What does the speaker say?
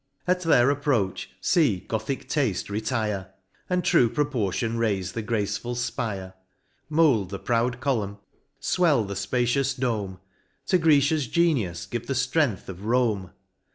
At their approach, fee Gothic tafte retire ! And true proportion raife the graceful fpire, Mould the proud column, fwcU the fpacious dome, To Grecia's genius give the ftrength of Rome